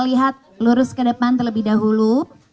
kita lihat lurus ke depan terlebih dahulu